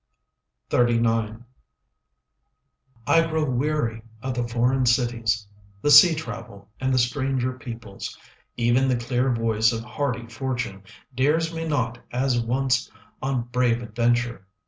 XXXIX I grow weary of the foreign cities, The sea travel and the stranger peoples. Even the clear voice of hardy fortune Dares me not as once on brave adventure.